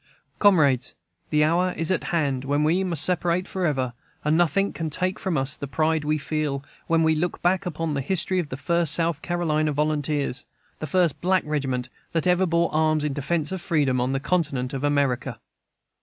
COMRADES, The hour is at hand when we must separate forever, and nothing can ever take from us the pride we feel, when we look back upon the history of the First South Carolina Volunteers, the first black regiment that ever bore arms in defence of freedom on the continent of America.